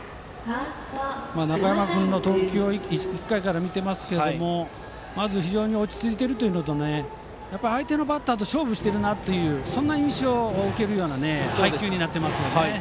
中山君の投球を１回から見ていますけどまず非常に落ち着いているというのと相手のバッターと勝負しているという印象を受けるような配球になっていますよね。